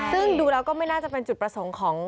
ซึ่งดูแล้วก็ไม่น่าจะเป็นจุดประสงค์ของ